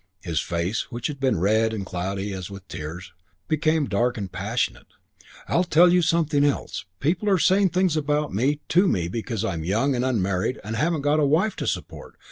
His face, which had been red and cloudy as with tears, became dark and passionate. "I'll tell you something else. People are saying things about me and to me because I'm young and unmarried and haven't got a wife to support.